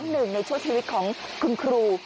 อำเภอไซน้อยจังหวัดนนทบุรี